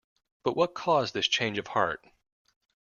But what caused this change of heart?